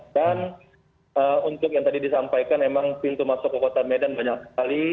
dan untuk yang tadi disampaikan memang pintu masuk ke kota medan banyak sekali